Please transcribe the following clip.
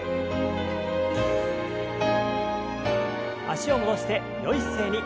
脚を戻してよい姿勢に。